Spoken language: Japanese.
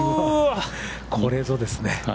これぞですね。